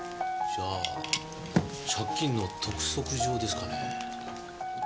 じゃあ借金の督促状ですかね？